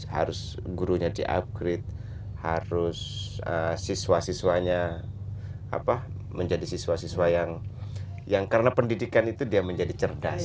harus gurunya di upgrade harus siswa siswanya menjadi siswa siswa yang karena pendidikan itu dia menjadi cerdas